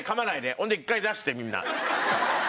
ほんで１回出してみんな。